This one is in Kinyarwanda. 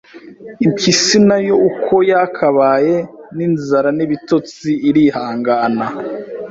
Impyisi na yo uko yakabaye n inzara n ibitotsi irihangana